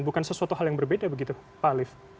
bukan sesuatu hal yang berbeda begitu pak alif